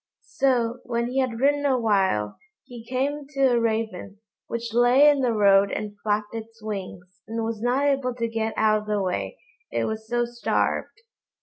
So, when he had ridden a while, he came to a Raven, which lay in the road and flapped its wings, and was not able to get out of the way, it was so starved.